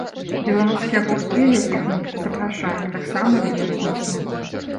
Беларускія гурты, якіх мы запрашаем, таксама вельмі моцныя.